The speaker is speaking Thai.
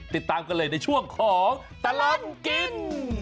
ติดตามกันเลยในช่วงของตลอดกิน